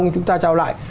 chúng ta trao lại